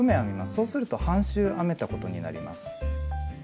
そうすると半周編めたことになります。